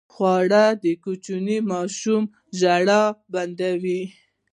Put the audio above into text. خوړل د کوچني ماشوم ژړا بنده وي